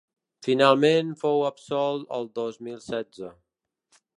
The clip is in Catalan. Finalment fou absolt el dos mil setze.